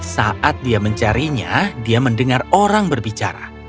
saat dia mencarinya dia mendengar orang berbicara